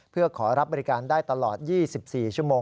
เพื่อขอรับบริการได้ตลอด๒๔ชั่วโมง